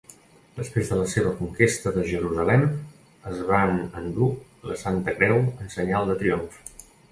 Després de la seva conquesta de Jerusalem, es van endur la Santa Creu en senyal de triomf.